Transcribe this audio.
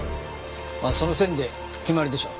その線で決まりでしょう。